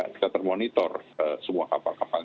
kita termonitor semua kapal kapal